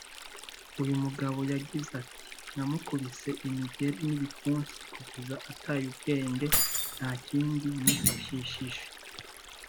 uyu mugabo yagize ati "namukubise imigeri n’ibipfunsi kugeza ataye ubwenge nta kindi nifashishije